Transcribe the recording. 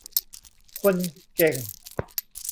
คนเก่ง